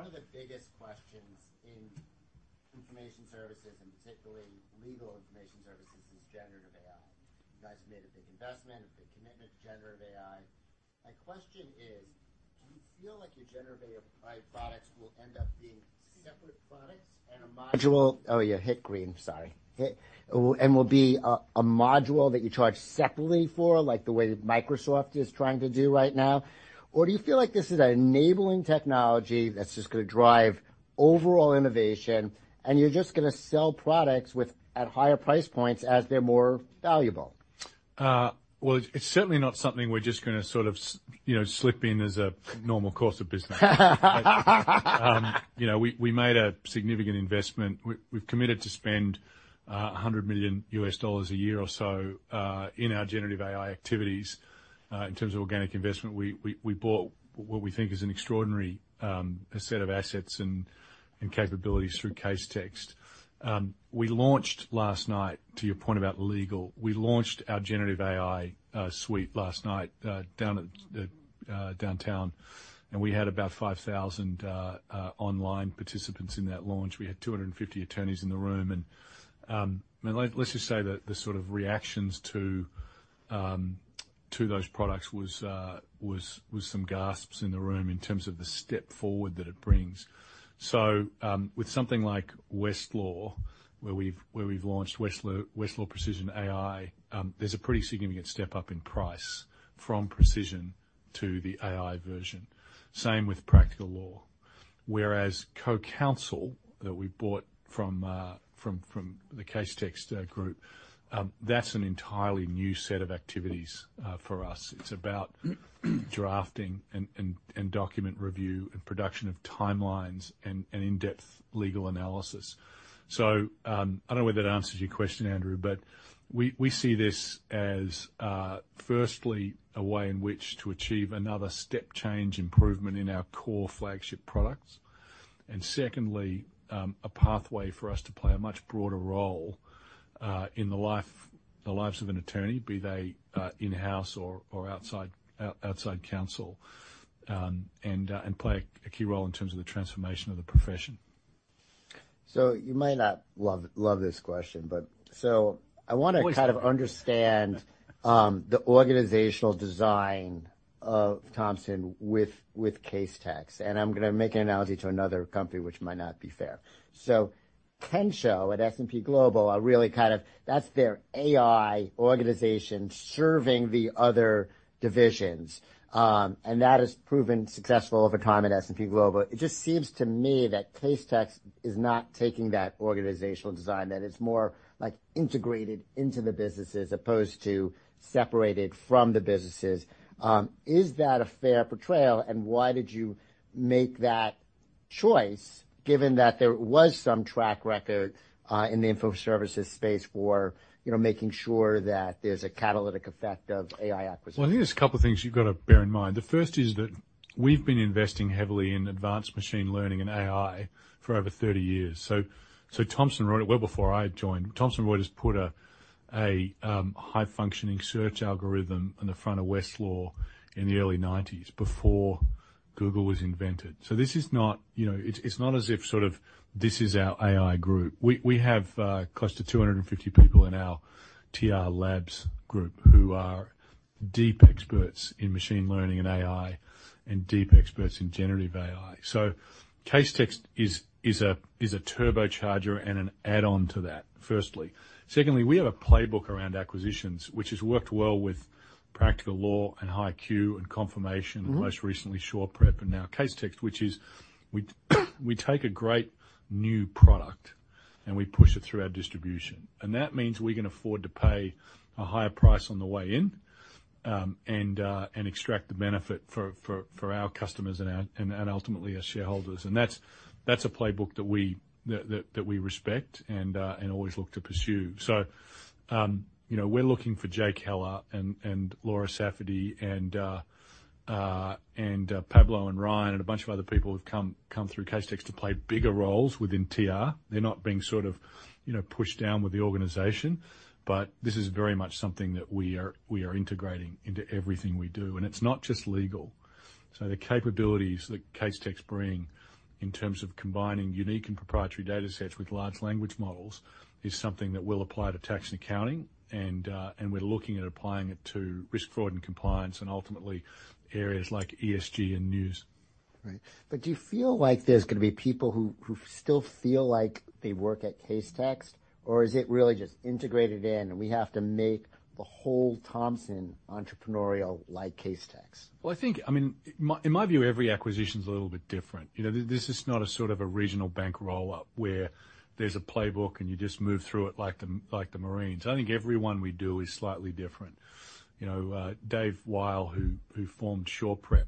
One of the biggest questions in information services, and particularly legal information services, is generative AI. You guys have made a big investment, a big commitment to generative AI. My question is: do you feel like your generative AI products will end up being separate products and a module and will be a, a module that you charge separately for, like the way Microsoft is trying to do right now? Or do you feel like this is an enabling technology that's just going to drive overall innovation, and you're just going to sell products with at higher price points as they're more valuable? Well, it's certainly not something we're just going to sort of you know, slip in as a normal course of business. You know, we made a significant investment. We've committed to spend $100 million a year or so in our generative AI activities. In terms of organic investment, we bought what we think is an extraordinary set of assets and capabilities through Casetext. We launched last night, to your point about legal, we launched our generative AI suite last night down at downtown, and we had about 5,000 online participants in that launch. We had 250 attorneys in the room, and, let's just say that the sort of reactions to, to those products was some gasps in the room in terms of the step forward that it brings. So, with something like Westlaw, where we've launched Westlaw, Westlaw Precision AI, there's a pretty significant step up in price from Precision to the AI version. Same with Practical Law. Whereas CoCounsel, that we bought from the Casetext group, that's an entirely new set of activities for us. It's about drafting and document review and production of timelines and in-depth legal analysis. So, I don't know whether that answers your question, Andrew, but we see this as, firstly, a way in which to achieve another step change improvement in our core flagship products, and secondly, a pathway for us to play a much broader role, in the lives of an attorney, be they in-house or outside counsel, and play a key role in terms of the transformation of the profession. So you might not love, love this question, but so I want to- Of course. kind of understand the organizational design of Thomson with, with Casetext, and I'm going to make an analogy to another company which might not be fair. So Kensho at S&P Global are really kind of... That's their AI organization serving the other divisions, and that has proven successful over time at S&P Global. It just seems to me that Casetext is not taking that organizational design, that it's more, like, integrated into the businesses as opposed to separated from the businesses. Is that a fair portrayal, and why did you make that choice, given that there was some track record in the info services space for, you know, making sure that there's a catalytic effect of AI acquisitions? Well, I think there's a couple of things you've got to bear in mind. The first is that we've been investing heavily in advanced machine learning and AI for over 30 years. So, so Thomson Reuters, well before I joined, Thomson Reuters put a high-functioning search algorithm on the front of Westlaw in the early 1990s, before Google was invented. So this is not, you know, it's not as if sort of this is our AI group. We have close to 250 people in our TR Labs group who are deep experts in machine learning and AI, and deep experts in generative AI. So Casetext is a turbocharger and an add-on to that, firstly. Secondly, we have a playbook around acquisitions, which has worked well with Practical Law and HighQ and Confirmation- Mm-hmm. Most recently, SurePrep, and now Casetext, which is we take a great new product, and we push it through our distribution. And that means we can afford to pay a higher price on the way in, and extract the benefit for our customers and ultimately our shareholders. And that's a playbook that we respect and always look to pursue. So, you know, we're looking for Jake Heller and Laura Safdie and Pablo and Ryan and a bunch of other people who've come through Casetext to play bigger roles within TR. They're not being sort of, you know, pushed down with the organization, but this is very much something that we are integrating into everything we do, and it's not just legal. So the capabilities that Casetext bring in terms of combining unique and proprietary datasets with large language models is something that we'll apply to tax and accounting, and we're looking at applying it to risk, fraud, and compliance, and ultimately areas like ESG and news. Right. But do you feel like there's going to be people who still feel like they work at Casetext, or is it really just integrated in, and we have to make the whole Thomson entrepreneurial, like Casetext? Well, I think, I mean, in my view, every acquisition's a little bit different. You know, this is not a sort of a regional bank roll-up, where there's a playbook, and you just move through it like the Marines. I think every one we do is slightly different. You know, Dave Wyle, who formed SurePrep,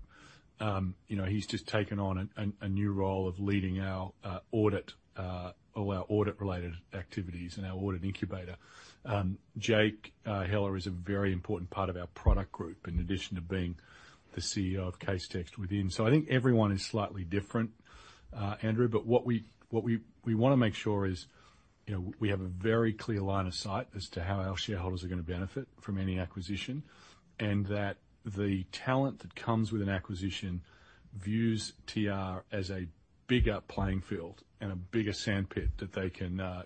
you know, he's just taken on a new role of leading our audit, all our audit-related activities and our audit incubator. Jake Heller is a very important part of our product group, in addition to being the CEO of Casetext within. So I think everyone is slightly different, Andrew, but what we want to make sure is-... You know, we have a very clear line of sight as to how our shareholders are going to benefit from any acquisition, and that the talent that comes with an acquisition views TR as a bigger playing field and a bigger sandpit that they can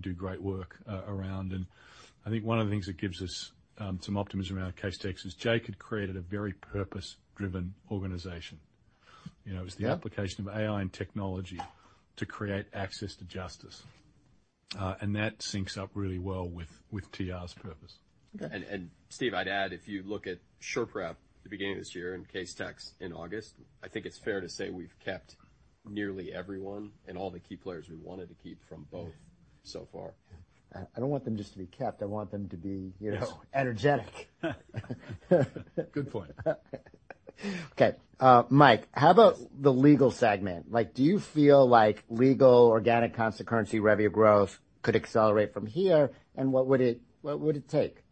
do great work around. And I think one of the things that gives us some optimism around Casetext is Jake had created a very purpose-driven organization. You know- Yeah. It was the application of AI and technology to create access to justice, and that syncs up really well with, with TR's purpose. Okay. Steve, I'd add, if you look at SurePrep at the beginning of this year and Casetext in August, I think it's fair to say we've kept nearly everyone and all the key players we wanted to keep from both so far. I don't want them just to be kept. I want them to be, you know, energetic. Good point. Okay. Mike, how about the legal segment? Like, do you feel like legal, Organic Constant Currency Revenue Growth could accelerate from here, and what would it, what would it take?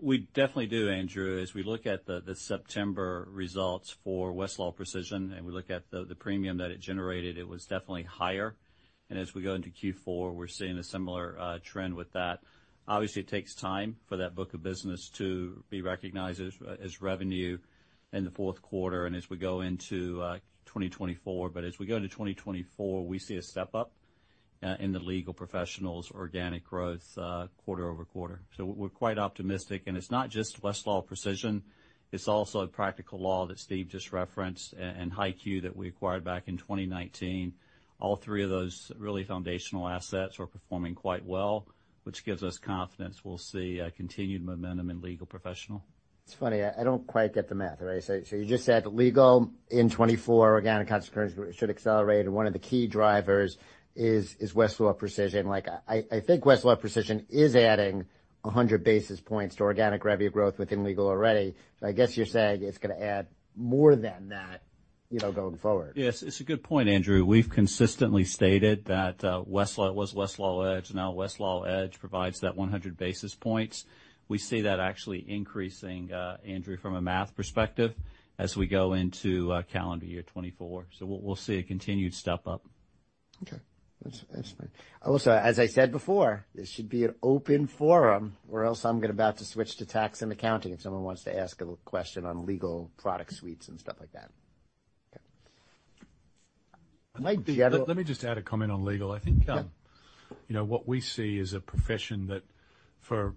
We definitely do, Andrew. As we look at the September results for Westlaw Precision, and we look at the premium that it generated, it was definitely higher. And as we go into Q4, we're seeing a similar trend with that. Obviously, it takes time for that book of business to be recognized as revenue in the fourth quarter and as we go into 2024. But as we go into 2024, we see a step-up in the legal professionals' organic growth quarter-over-quarter. So we're quite optimistic, and it's not just Westlaw Precision, it's also Practical Law that Steve just referenced, and HighQ that we acquired back in 2019. All three of those really foundational assets are performing quite well, which gives us confidence we'll see continued momentum in legal professional. It's funny, I don't quite get the math right. So you just said legal in 2024, organic constant currency should accelerate, and one of the key drivers is Westlaw Precision. Like, I think Westlaw Precision is adding 100 basis points to organic revenue growth within legal already. So I guess you're saying it's going to add more than that, you know, going forward. Yes, it's a good point, Andrew. We've consistently stated that Westlaw Edge provides that 100 basis points. We see that actually increasing, Andrew, from a math perspective, as we go into calendar year 2024. So we'll see a continued step up. Okay. That's, that's fine. Also, as I said before, this should be an open forum, or else I'm about to switch to tax and accounting, if someone wants to ask a question on legal product suites and stuff like that. Okay. Let me just- Mike, do you have a- Let me just add a comment on legal. Yeah. I think, you know, what we see is a profession that for, you know,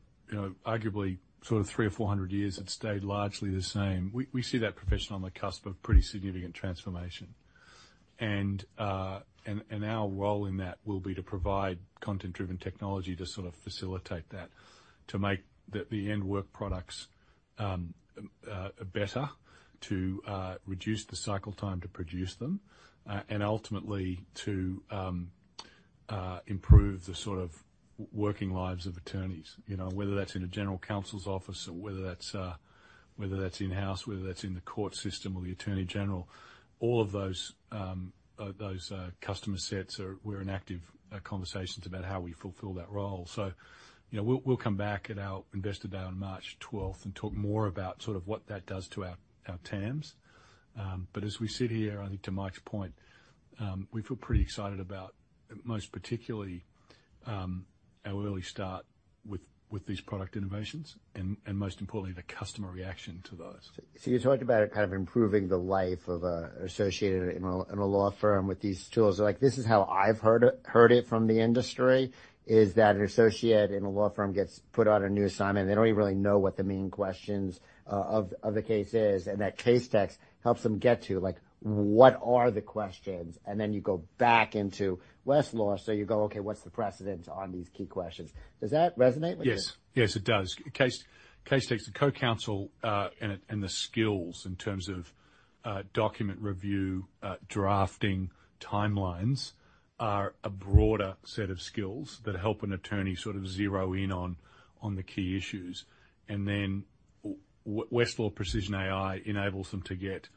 arguably sort of 300 or 400 years, it's stayed largely the same. We see that profession on the cusp of pretty significant transformation. And our role in that will be to provide content-driven technology to sort of facilitate that, to make the end work products better, to reduce the cycle time to produce them, and ultimately to improve the sort of working lives of attorneys. You know, whether that's in a general counsel's office or whether that's in-house, whether that's in the court system or the attorney general, all of those customer sets. We're in active conversations about how we fulfill that role. So, you know, we'll come back at our Investor Day on March twelfth and talk more about sort of what that does to our TAMs. But as we sit here, I think to Mike's point, we feel pretty excited about, most particularly, our early start with these product innovations and most importantly, the customer reaction to those. So you talked about it kind of improving the life of an associate in a law firm with these tools. Like, this is how I've heard it, heard it from the industry, is that an associate in a law firm gets put on a new assignment. They don't even really know what the main questions of the case is, and that Casetext helps them get to, like, what are the questions? And then you go back into Westlaw, so you go: Okay, what's the precedent on these key questions? Does that resonate with you? Yes. Yes, it does. Casetext, the CoCounsel, and the skills in terms of document review, drafting timelines, are a broader set of skills that help an attorney sort of zero in on the key issues. And then Westlaw Precision AI enables them to get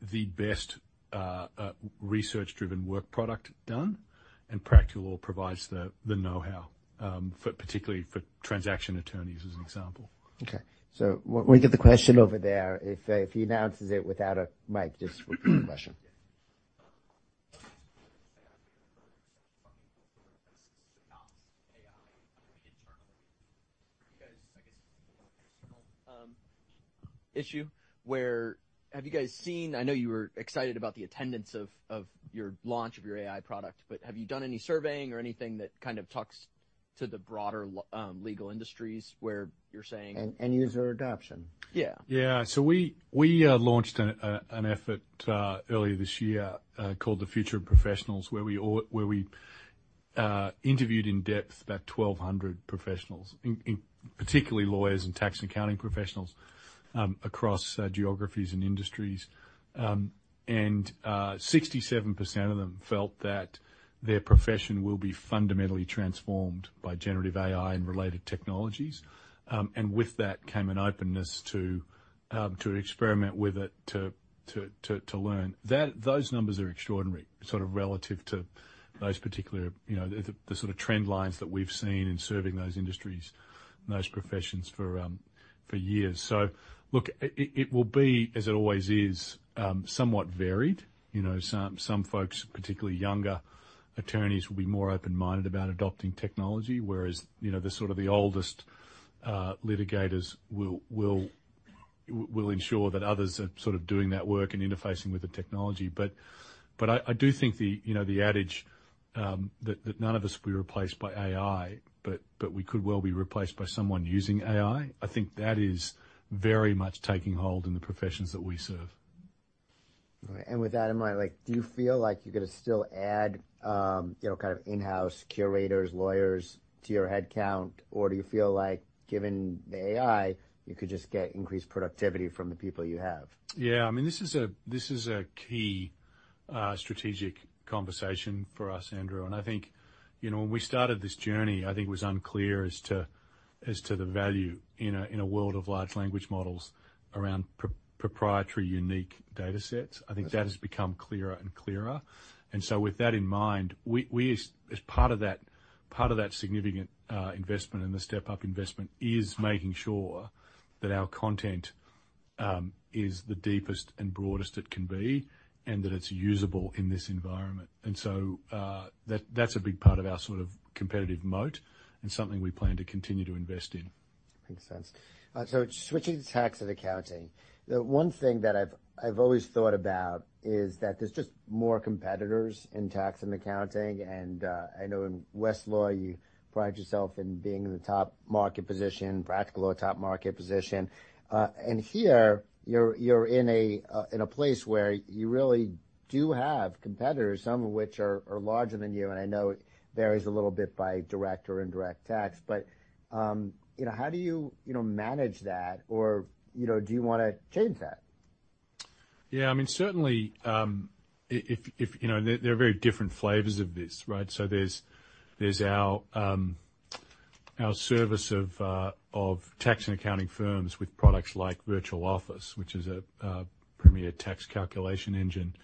the best research-driven work product done, and Practical provides the know-how for particularly for transaction attorneys, as an example. Okay, so we'll get the question over there. If he announces it without a mic, just question.... issue, where have you guys seen, I know you were excited about the attendance of, of your launch of your AI product, but have you done any surveying or anything that kind of talks to the broader legal industries, where you're saying- And user adoption? Yeah. Yeah. So we launched an effort earlier this year called the Future of Professionals, where we interviewed in depth about 1,200 professionals, in particularly lawyers and tax and accounting professionals, across geographies and industries. And 67% of them felt that their profession will be fundamentally transformed by generative AI and related technologies. And with that came an openness to experiment with it, to learn. Those numbers are extraordinary, sort of relative to those particular, you know, the sort of trend lines that we've seen in serving those industries and those professions for years. So look, it will be, as it always is, somewhat varied. You know, some folks, particularly younger attorneys, will be more open-minded about adopting technology, whereas, you know, the sort of the oldest litigators will ensure that others are sort of doing that work and interfacing with the technology. But I do think the, you know, the adage that none of us will be replaced by AI, but we could well be replaced by someone using AI. I think that is very much taking hold in the professions that we serve. All right. And with that in mind, like, do you feel like you're gonna still add, you know, kind of in-house curators, lawyers to your headcount? Or do you feel like, given the AI, you could just get increased productivity from the people you have? Yeah, I mean, this is a, this is a key strategic conversation for us, Andrew. And I think, you know, when we started this journey, I think it was unclear as to, as to the value in a, in a world of large language models around proprietary, unique data sets. I think that has become clearer and clearer. And so with that in mind, we, we as, as part of that, part of that significant investment and the step-up investment, is making sure that our content is the deepest and broadest it can be and that it's usable in this environment. And so, that's a big part of our sort of competitive moat and something we plan to continue to invest in. Makes sense. So switching to tax and accounting, the one thing that I've always thought about is that there's just more competitors in tax and accounting, and I know in Westlaw, you pride yourself in being in the top market position, Practical Law, top market position. And here, you're in a place where you really do have competitors, some of which are larger than you. And I know it varies a little bit by direct or indirect tax, but you know, how do you, you know, manage that? Or, you know, do you want to change that? Yeah, I mean, certainly, if you know... There are very different flavors of this, right? So there's our service of tax and accounting firms with products like Virtual Office, which is a premier tax calculation engine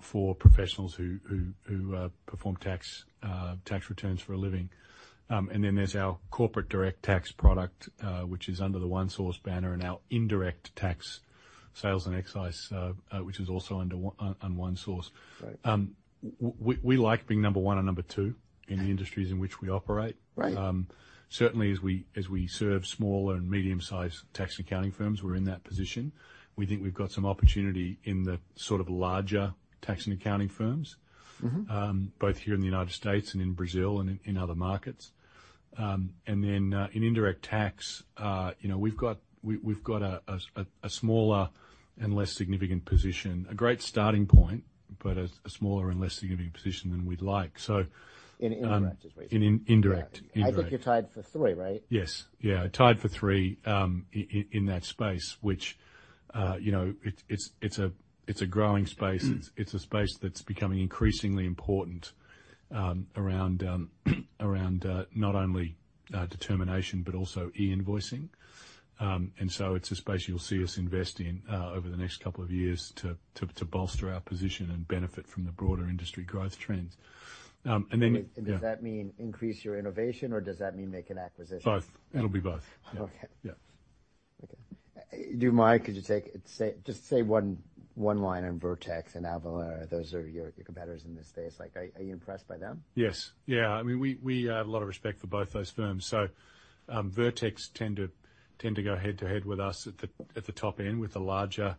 for professionals who perform tax returns for a living. And then there's our corporate direct tax product, which is under the ONESOURCE banner, and our indirect tax sales and excise, which is also under ONESOURCE. Right. We like being number one and number two in the industries in which we operate. Right. Certainly, as we serve small and medium-sized tax and accounting firms, we're in that position. We think we've got some opportunity in the sort of larger tax and accounting firms- Mm-hmm... both here in the United States and in Brazil and in other markets. And then, in Indirect Tax, you know, we've got a smaller and less significant position. A great starting point, but a smaller and less significant position than we'd like. So- In indirect, you said. Indirect. I think you're tied for three, right? Yes. Yeah, tied for three, in that space, which, you know, it's a growing space. Mm. It's a space that's becoming increasingly important around not only determination, but also e-invoicing. And so it's a space you'll see us invest in over the next couple of years to bolster our position and benefit from the broader industry growth trends. And then- Does that mean increase your innovation, or does that mean make an acquisition? Both. It'll be both. Okay. Yeah. Okay. Do you mind, could you say, just say one line on Vertex and Avalara. Those are your competitors in this space. Like, are you impressed by them? Yes. Yeah, I mean, we have a lot of respect for both those firms. So, Vertex tend to go head-to-head with us at the top end with the larger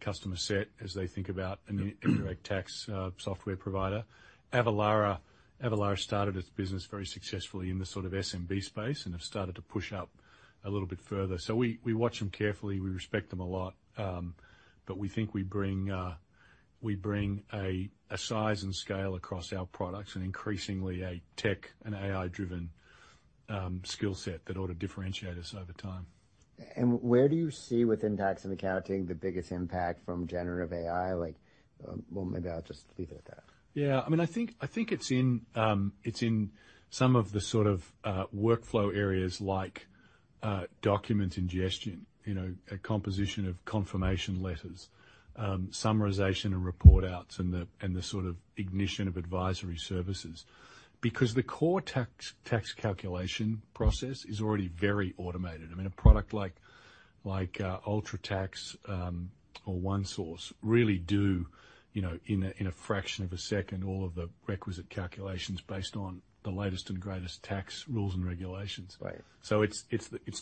customer set as they think about an- Mm... indirect tax software provider. Avalara, Avalara started its business very successfully in the sort of SMB space and have started to push up a little bit further. So we watch them carefully. We respect them a lot. But we think we bring a size and scale across our products and increasingly a tech and AI-driven skill set that ought to differentiate us over time. Where do you see, within tax and accounting, the biggest impact from Generative AI? Like, well, maybe I'll just leave it at that. Yeah. I mean, I think, I think it's in, it's in some of the sort of, workflow areas like, document ingestion, you know, a composition of confirmation letters, summarization and report outs, and the, and the sort of ignition of advisory services. Because the core tax, tax calculation process is already very automated. I mean, a product like, like, UltraTax, or ONESOURCE really do, you know, in a, in a fraction of a second, all of the requisite calculations based on the latest and greatest tax rules and regulations. Right. So it's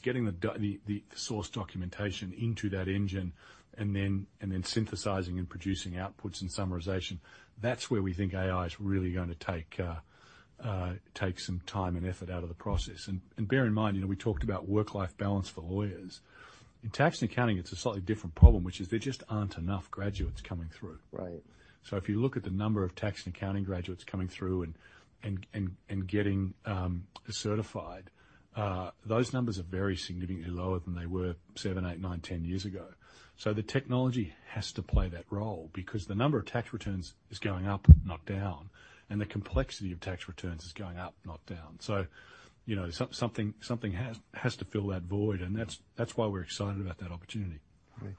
getting the source documentation into that engine, and then synthesizing and producing outputs and summarization. That's where we think AI is really gonna take some time and effort out of the process. And bear in mind, you know, we talked about work-life balance for lawyers. In tax and accounting, it's a slightly different problem, which is there just aren't enough graduates coming through. Right. So if you look at the number of tax and accounting graduates coming through and getting certified, those numbers are very significantly lower than they were seven, eight, nine, 10 years ago. So the technology has to play that role because the number of tax returns is going up, not down, and the complexity of tax returns is going up, not down. So, you know, so something has to fill that void, and that's why we're excited about that opportunity. Right.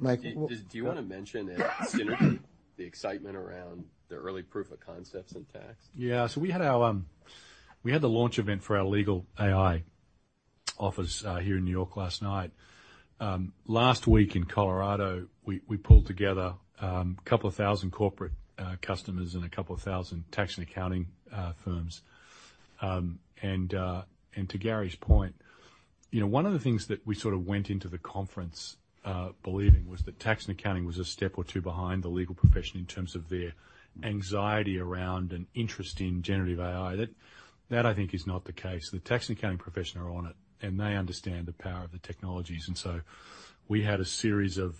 Mike, what- Do you want to mention that the excitement around the early proof of concepts in tax? Yeah. So we had the launch event for our legal AI office here in New York last night. Last week in Colorado, we pulled together a couple of thousand corporate customers and a couple of thousand tax and accounting firms. And to Gary's point, you know, one of the things that we sort of went into the conference believing was that tax and accounting was a step or two behind the legal profession in terms of their anxiety around an interest in generative AI. That, I think, is not the case. The tax and accounting profession are on it, and they understand the power of the technologies. And so we had a series of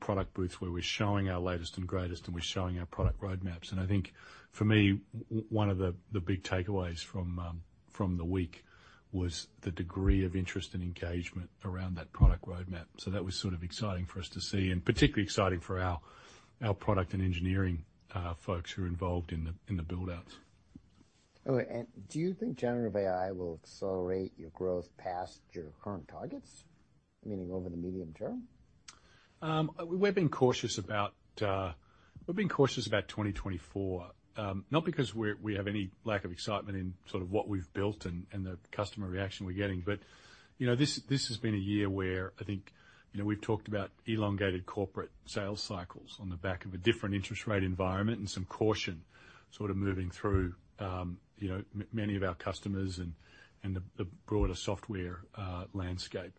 product booths where we're showing our latest and greatest, and we're showing our product roadmaps. And I think for me, one of the big takeaways from the week was the degree of interest and engagement around that product roadmap. So that was sort of exciting for us to see, and particularly exciting for our product and engineering folks who are involved in the build-outs. Okay, and do you think Generative AI will accelerate your growth past your current targets, meaning over the medium term? We're being cautious about 2024, not because we have any lack of excitement in sort of what we've built and the customer reaction we're getting. But you know, this has been a year where I think you know we've talked about elongated corporate sales cycles on the back of a different interest rate environment and some caution sort of moving through you know many of our customers and the broader software landscape.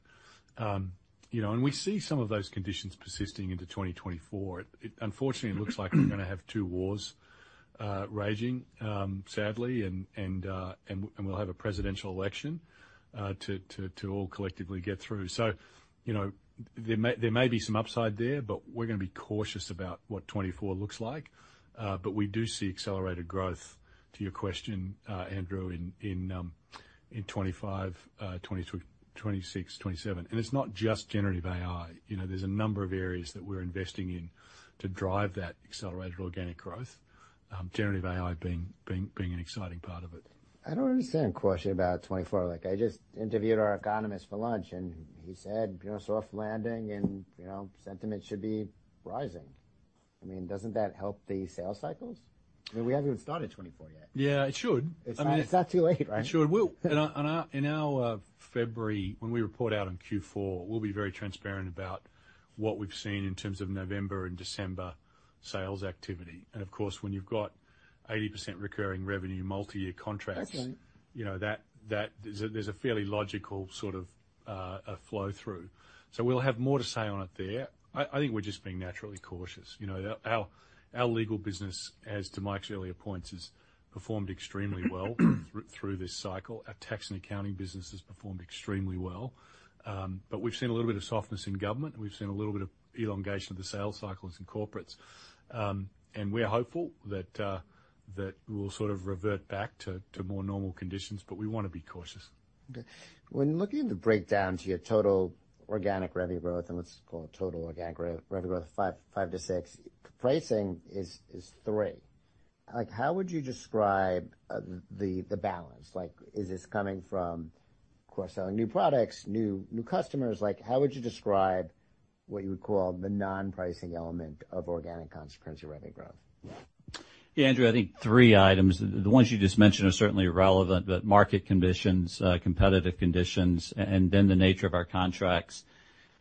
You know and we see some of those conditions persisting into 2024. Unfortunately it looks like we're gonna have two wars raging sadly and we'll have a presidential election to all collectively get through. So, you know, there may, there may be some upside there, but we're gonna be cautious about what 2024 looks like. But we do see accelerated growth, to your question, Andrew, in 2025, 2026, 2027. And it's not just generative AI. You know, there's a number of areas that we're investing in to drive that accelerated organic growth, generative AI being an exciting part of it. I don't understand caution about 2024. Like, I just interviewed our economist for lunch, and he said, you know, soft landing and, you know, sentiment should be rising. I mean, doesn't that help the sales cycles? I mean, we haven't even started 2024 yet. Yeah, it should. It's not, it's not too late, right? It should. Well, in our February, when we report out on Q4, we'll be very transparent about what we've seen in terms of November and December sales activity. And of course, when you've got 80% recurring revenue, multi-year contracts- I see. You know, that... There's a fairly logical sort of a flow through. So we'll have more to say on it there. I think we're just being naturally cautious. You know, our legal business, as to Mike's earlier points, has performed extremely well through this cycle. Our tax and accounting business has performed extremely well. But we've seen a little bit of softness in government, and we've seen a little bit of elongation of the sales cycles in corporates. And we're hopeful that we'll sort of revert back to more normal conditions, but we want to be cautious. Okay. When looking at the breakdown to your total organic constant currency revenue growth, and let's call it total organic constant currency revenue growth, 5%-6%, pricing is 3%. Like, how would you describe the balance? Like, is this coming from, of course, selling new products, new customers? Like, how would you describe what you would call the non-pricing element of organic constant currency revenue growth? Yeah, Andrew, I think 3 items, the ones you just mentioned are certainly relevant, but market conditions, competitive conditions, and then the nature of our contracts.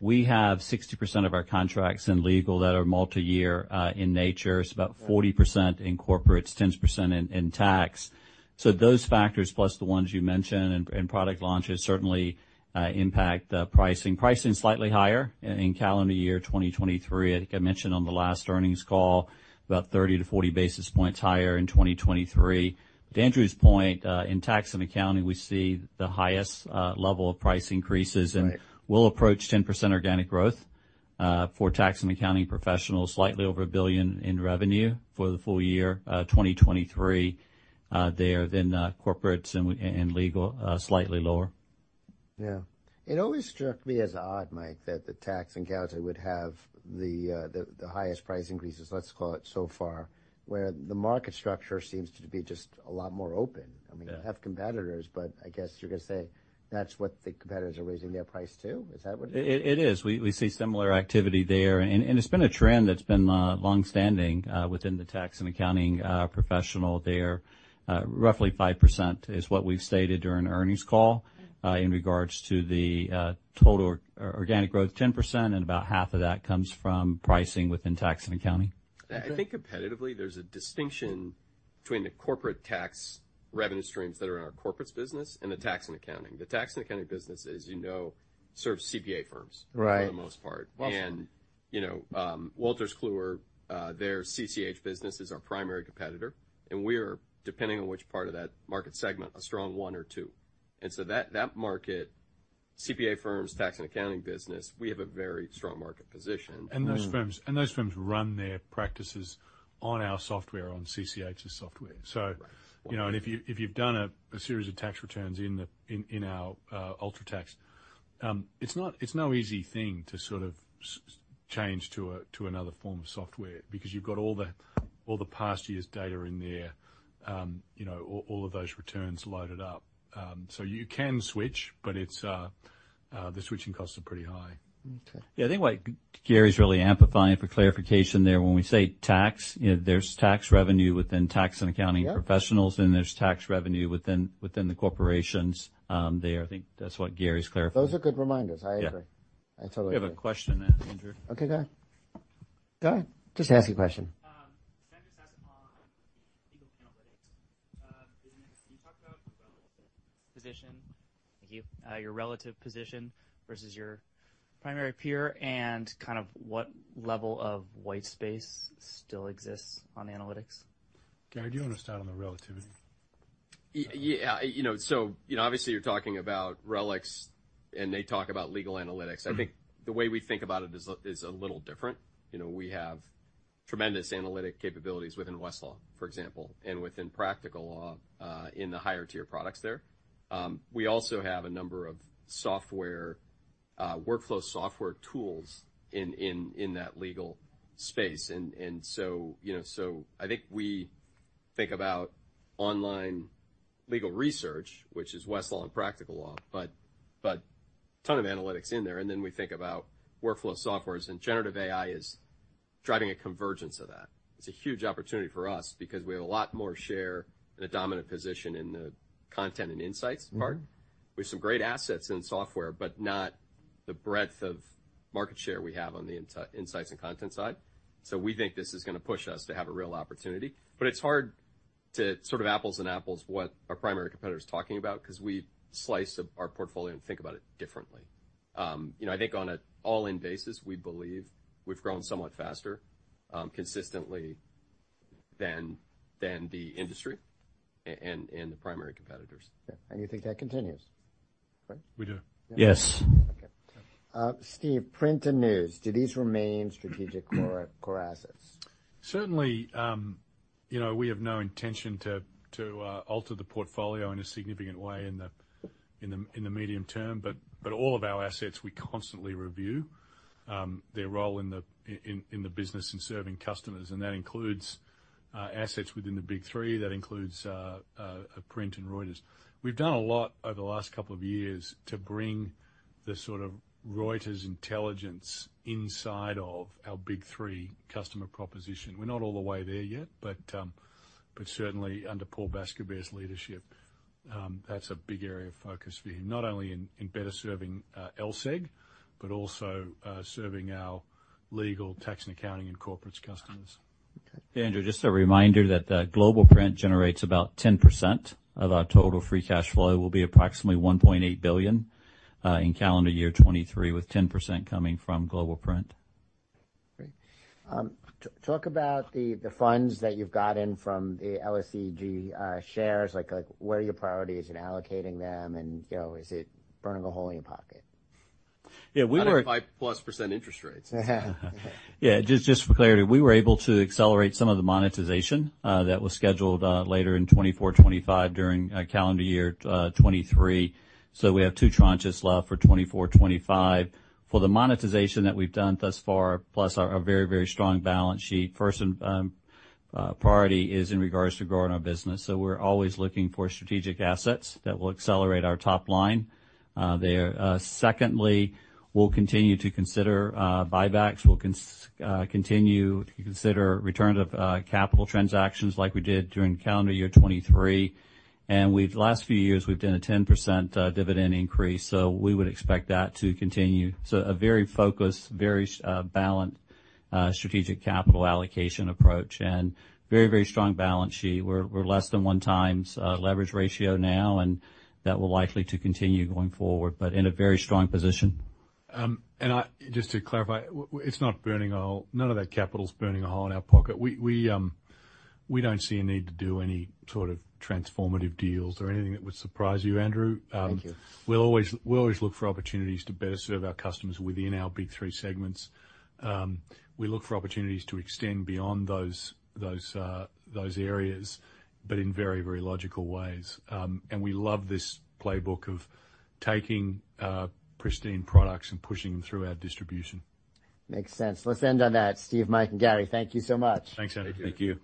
We have 60% of our contracts in legal that are multi-year in nature. It's about 40% in corporates, 10% in tax. So those factors, plus the ones you mentioned in product launches, certainly impact the pricing. Pricing is slightly higher in calendar year 2023. I think I mentioned on the last earnings call, about 30-40 basis points higher in 2023. To Andrew's point, in tax and accounting, we see the highest level of price increases. Right. -and we'll approach 10% organic growth for tax and accounting professionals, slightly over $1 billion in revenue for the full year 2023, there, then corporates and legal, slightly lower. Yeah. It always struck me as odd, Mike, that the tax and accounting would have the highest price increases, let's call it so far, where the market structure seems to be just a lot more open. Yeah. I mean, you have competitors, but I guess you're going to say that's what the competitors are raising their price, too? Is that what it is? It is. We see similar activity there, and it's been a trend that's been long-standing within the tax and accounting professional there. Roughly 5% is what we've stated during the earnings call, in regards to the total organic growth, 10%, and about half of that comes from pricing within tax and accounting. Okay. I think competitively, there's a distinction between the corporate tax revenue streams that are in our corporates business and the tax and accounting. The tax and accounting business, as you know, serves CPA firms. Right for the most part. Well- You know, Wolters Kluwer, their CCH business is our primary competitor, and we are, depending on which part of that market segment, a strong one or two. So that market, CPA firms, tax and accounting business, we have a very strong market position. Those firms, and those firms run their practices on our software, on CCH's software. Right. So, you know, and if you've done a series of tax returns in our UltraTax, it's not. It's no easy thing to sort of change to another form of software because you've got all the past year's data in there, you know, all of those returns loaded up. So you can switch, but it's the switching costs are pretty high. Okay. Yeah, I think what Gary's really amplifying for clarification there, when we say tax, you know, there's tax revenue within tax and accounting professionals- Yeah There's tax revenue within the corporations there. I think that's what Gary's clarifying. Those are good reminders. I agree. Yeah. I totally agree. We have a question now, Andrew. Okay, go ahead... Go ahead. Just ask your question. Can I just ask on the legal analytics business, can you talk about your position, thank you, your relative position versus your primary peer, and kind of what level of white space still exists on analytics? Gary, do you want to start on the relativity? Yeah, you know, so, you know, obviously, you're talking about Lexis, and they talk about legal analytics. Mm-hmm. I think the way we think about it is a little different. You know, we have tremendous analytic capabilities within Westlaw, for example, and within Practical Law in the higher-tier products there. We also have a number of workflow software tools in that legal space. So, you know, so I think we think about online legal research, which is Westlaw and Practical Law, but ton of analytics in there, and then we think about workflow softwares, and generative AI is driving a convergence of that. It's a huge opportunity for us because we have a lot more share and a dominant position in the content and insights part. Mm-hmm. We have some great assets in software, but not the breadth of market share we have on the insights and content side. So we think this is going to push us to have a real opportunity. But it's hard to sort of apples and apples, what our primary competitor is talking about, because we slice up our portfolio and think about it differently. You know, I think on an all-in basis, we believe we've grown somewhat faster, consistently than the industry and the primary competitors. Yeah. And you think that continues, correct? We do. Yeah. Yes. Okay. Steve, print and news, do these remain strategic core, core assets? Certainly, you know, we have no intention to alter the portfolio in a significant way in the medium term, but all of our assets, we constantly review their role in the business and serving customers, and that includes assets within the big three. That includes print and Reuters. We've done a lot over the last couple of years to bring the sort of Reuters intelligence inside of our big three customer proposition. We're not all the way there yet, but certainly under Paul Bascobert's leadership, that's a big area of focus for him, not only in better serving LSEG, but also serving our legal, tax, and accounting, and corporates customers. Okay. Andrew, just a reminder that the Global Print generates about 10% of our total free cash flow, will be approximately $1.8 billion in calendar year 2023, with 10% coming from Global Print. Great. Talk about the funds that you've gotten from the LSEG shares, like, what are your priorities in allocating them? And, you know, is it burning a hole in your pocket? Yeah, we were- 5%+ interest rates. Yeah, just, just for clarity, we were able to accelerate some of the monetization that was scheduled later in 2024, 2025 during calendar year 2023. So we have 2 tranches left for 2024, 2025. For the monetization that we've done thus far, plus our very, very strong balance sheet, first and priority is in regards to growing our business. So we're always looking for strategic assets that will accelerate our top line there. Secondly, we'll continue to consider buybacks. We'll continue to consider return of capital transactions like we did during calendar year 2023. And we've last few years, we've done a 10% dividend increase, so we would expect that to continue. So a very focused, very balanced strategic capital allocation approach and very, very strong balance sheet. We're less than 1 times leverage ratio now, and that will likely to continue going forward, but in a very strong position. Just to clarify, it's not burning a hole. None of that capital is burning a hole in our pocket. We don't see a need to do any sort of transformative deals or anything that would surprise you, Andrew. Thank you. We'll always look for opportunities to better serve our customers within our big three segments. We look for opportunities to extend beyond those areas, but in very, very logical ways. And we love this playbook of taking pristine products and pushing them through our distribution. Makes sense. Let's end on that. Steve, Mike, and Gary, thank you so much. Thanks, Andy. Thank you.